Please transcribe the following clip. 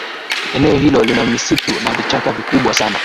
eneo hilo lina misitu na vichaka vikubwa sana